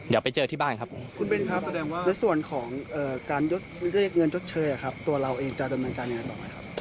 คุณเป็นครับและส่วนของการเลขเงินจดเชยตัวเราเองได้ทำยังไง